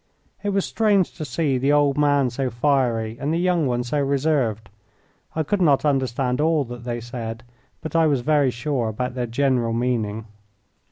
It was strange to see the old man so fiery and the young one so reserved. I could not understand all that they said, but I was very sure about their general meaning.